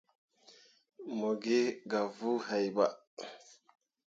Mo gi gah wuu hai bah.